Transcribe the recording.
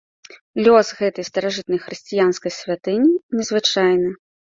Лёс гэтай старажытнай хрысціянскай святыні незвычайны.